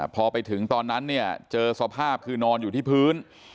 พอไปถึงตอนนั้นเนี่ยเจอสภาพคือนอนอยู่ที่พื้น